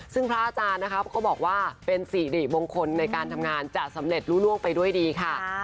ซึ่งพระอาจารย์นะครับก็บอกว่าเป็นสิริมงคลในการทำงานจะสำเร็จรู้ล่วงไปด้วยดีค่ะ